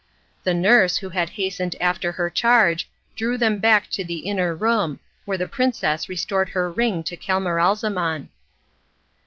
The nurse, who had hastened after her charge, drew them back to the inner room, where the princess restored her ring to Camaralzaman.